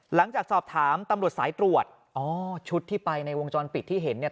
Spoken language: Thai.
หลังจากสอบถามตำรวจสายตรวจอ๋อชุดที่ไปในวงจรปิดที่เห็นเนี่ย